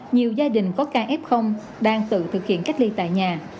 nhiều gia đình có ca f đang tự thực hiện cách ly tại nhà